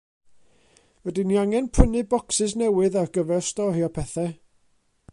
Rydyn ni angen prynu bocsys newydd ar gyfer storio pethau.